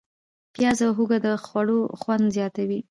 پیاز او هوږه د خوړو خوند زیاتوي.